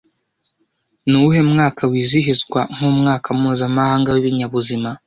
Nuwuhe mwaka wizihizwa nkumwaka mpuzamahanga wibinyabuzima